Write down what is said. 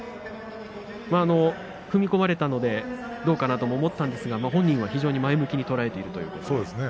踏み込まれたのでどうかなと思ったんですが本人は非常に前向きに捉えているということですね。